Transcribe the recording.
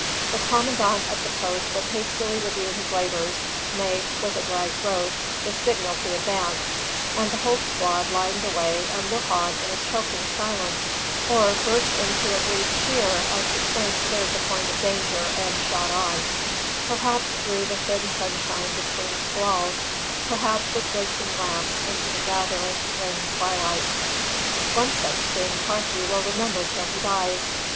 The commandant of the post would hastily review his labours, make (with a dry throat) the signal to advance; and the whole squad line the way and look on in a choking silence, or burst into a brief cheer as the train cleared the point of danger and shot on, perhaps through the thin sunshine between squalls, perhaps with blinking lamps into the gathering, rainy twilight. One such scene Carthew will remember till he dies.